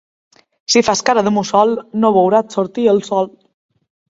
Si fas cara de mussol, no veuràs sortir el sol.